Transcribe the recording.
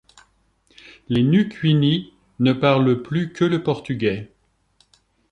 Les Nukuini ne parlent plus que le portugais.